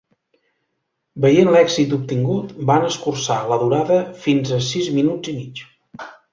Veient l'èxit obtingut, van escurçar la durada fins a sis minuts i mig.